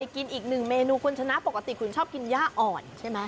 กินอีกหนึ่งเมนูคุณชนะปกติคุณชอบกินย่าอ่อนใช่ไหม